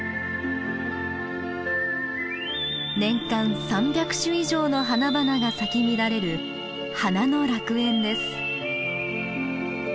年間３００種以上の花々が咲き乱れる「花の楽園」です。